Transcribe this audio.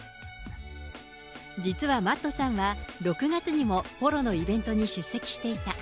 実はＭａｔｔさんは、６月にもポロのイベントに出席していた。